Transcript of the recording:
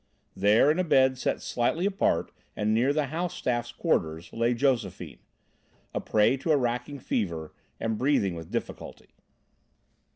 There, in a bed set slightly apart and near the house staff's quarters, lay Josephine, a prey to a racking fever and breathing with difficulty.